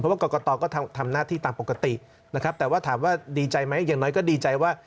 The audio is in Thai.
ว่ากรกตก็ทำหน้าที่ตามปกตินะครับแต่ว่าถามว่าดีใจไหมอย่างน้อยก็ดีใจว่า